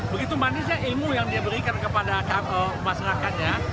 begitu manisnya ilmu yang dia berikan kepada masyarakatnya